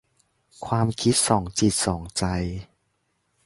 ความคิดสองจิตสองใจ